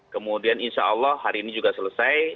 kemudian insya allah hari ini juga selesai